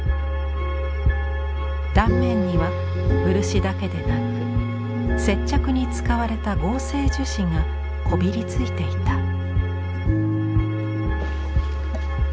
断面には漆だけでなく接着に使われた合成樹脂がこびりついていた。